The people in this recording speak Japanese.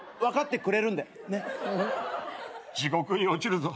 地獄に落ちるぞ。